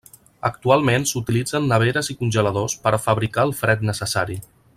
Actualment s'utilitzen neveres i congeladors per a fabricar el fred necessari.